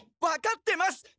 分かってます！